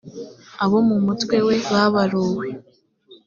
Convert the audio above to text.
abo mu mutwe we babaruwe